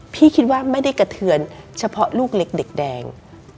คิดว่าไม่ได้กระเทือนเฉพาะลูกเล็กเด็กแดง